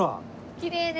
きれいね。